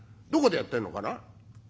どこでやってるのかな？